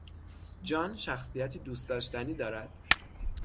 جان شخصیتی دوست داشتنی دارد.